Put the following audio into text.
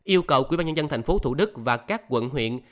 yêu cầu quỹ ban nhân dân thành phố thủ đức và các quận huyện